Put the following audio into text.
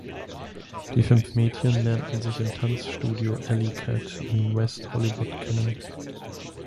Die fünf Mädchen lernten sich im Tanzstudio "Alley Cat" in West Hollywood kennen.